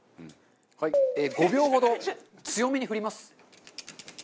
５秒ほど強めに振ります。